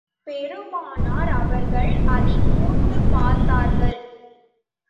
பெருமானார் அவர்கள் அதைக் கூர்ந்து பார்த்தார்கள்.